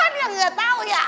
dia nggak tau ya